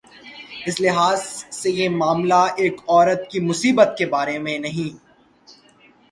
اس لحاظ سے یہ معاملہ ایک عورت کی مصیبت کے بارے میں نہیں۔